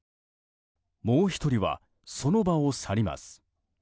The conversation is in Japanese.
もう１人はその場を去ります。